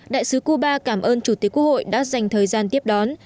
đại sứ cuba cảm ơn chủ tịch quốc hội đã dành thời gian tiếp đón